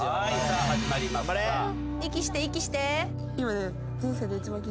息して息して。